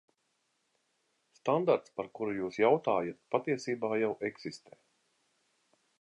Standarts, par kuru jūs jautājāt, patiesībā jau eksistē.